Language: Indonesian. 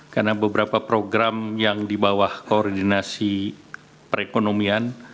karena beberapa program yang di bawah koordinasi perekonomian